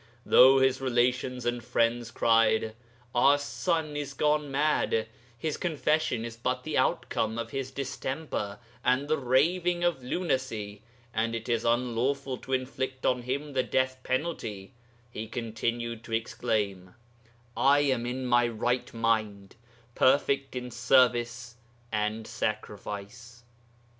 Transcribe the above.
Though his relations and friends cried, "Our son is gone mad; his confession is but the outcome of his distemper and the raving of lunacy, and it is unlawful to inflict on him the death penalty," he continued to exclaim, "I am in my right mind, perfect in service and sacrifice."